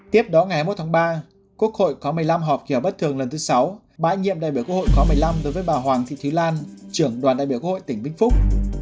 tiếp đó ngày hai mươi một tháng ba quốc hội có một mươi năm hợp kìa bất thường lần thứ sáu bãi nhiệm đại biểu quốc hội có một mươi năm đối với bà hoàng thị thúy lan trưởng đoàn đại biểu quốc hội tỉnh vinh phúc